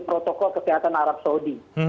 protokol kesehatan arab saudi